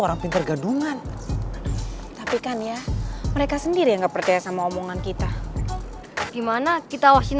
orang pinter gadungan tapi kan ya mereka sendiri yang percaya sama omongan kita gimana kita wasin